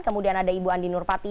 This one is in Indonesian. kemudian ada ibu andi nurpati